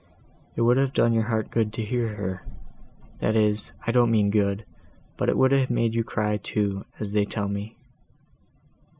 it would have done your heart good to hear her. That is—I don't mean good, but it would have made you cry too, as they tell me."